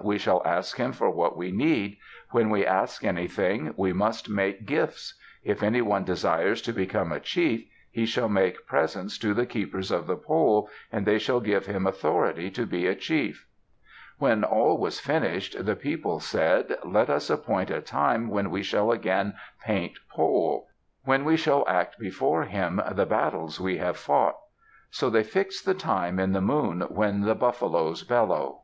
We shall ask him for what we need. When we ask anything, we must make gifts. If anyone desires to become a chief, he shall make presents to the Keepers of the Pole, and they shall give him authority to be a chief." When all was finished the people said, "Let us appoint a time when we shall again paint Pole; when we shall act before him the battles we have fought." So they fixed the time in the moon when the buffaloes bellow.